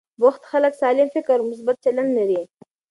بوخت خلک سالم فکر او مثبت چلند لري.